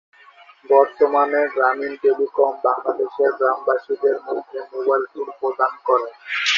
বর্তমানে গ্রামীণ টেলিকম বাংলাদেশের গ্রামবাসীদের মধ্যে মোবাইল ফোন প্রদান করে।